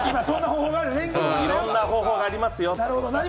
いろんな方法がありますよ。